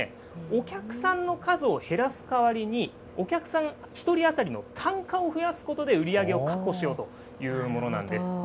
お客さんの数を減らす代わりに、お客さん１人当たりの単価を増やすことで売り上げを確保しようというものなんです。